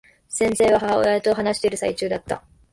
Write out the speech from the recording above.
先生は、母親と話している最中だった。